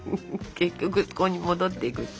結局そこに戻っていく。